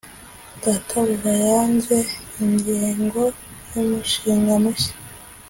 databuja yanze ingengo yumushinga mushya.